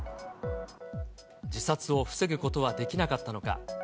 自殺を防ぐことはできなかったのか。